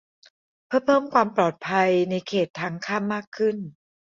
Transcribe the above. เพื่อเพิ่มความปลอดภัยในเขตทางข้ามมากขึ้น